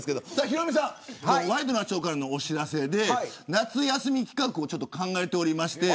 ヒロミさんワイドナショーからのお知らせで夏休み企画を考えておりまして。